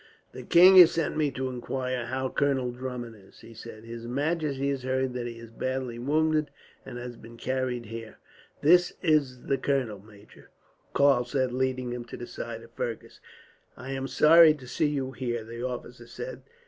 "The king has sent me to inquire how Colonel Drummond is," he said. "His majesty has heard that he is badly wounded, and has been carried here." "This is the colonel, major," Karl said, leading him to the side of Fergus. "I am sorry to see you here," the officer said.